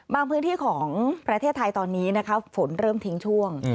พื้นที่ของประเทศไทยตอนนี้นะคะฝนเริ่มทิ้งช่วง